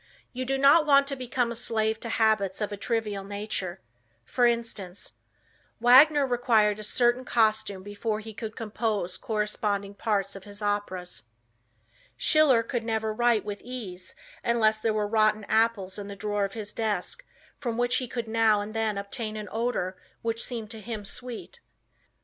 "You do not want to become a slave to habits of a trivial nature. For instance, Wagner required a certain costume before he could compose corresponding parts of his operas. Schiller could never write with ease unless there were rotten apples in the drawer of his desk from which he could now and then obtain an odor which seemed to him sweet.